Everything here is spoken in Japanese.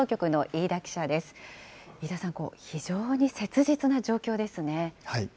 飯田さん、非常に切実な状況ですね。